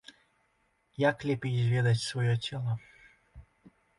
Як лепей зведаць сваё цела?